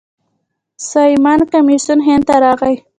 سایمن کمیسیون هند ته راغی.